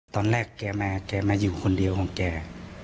ตอนแรกแกมาแกมาอยู่คนเดียวของแก